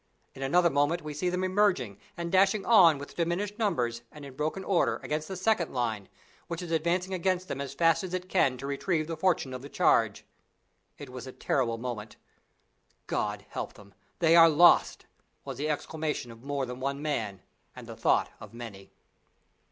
In another moment we see them emerging and dashing on with diminished numbers and in broken order against the second line, which is advancing against them as fast as it can to retrieve the fortune of the charge. It was a terrible moment. "God help them! they are lost!" was the exclamation of more than one man and the thought of many.